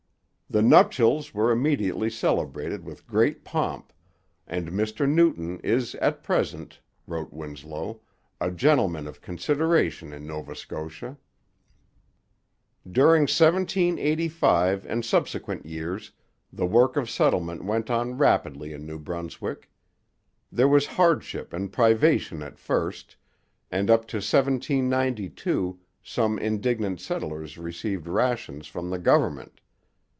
'The nuptials were immediately celebrated with great pomp, and Mr Newton is at present,' wrote Winslow, 'a gentleman of consideration in Nova Scotia.' During 1785 and subsequent years, the work of settlement went on rapidly in New Brunswick. There was hardship and privation at first, and up to 1792 some indigent settlers received rations from the government.